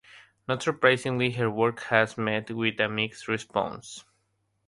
Not surprisingly, her work has met with a mixed response.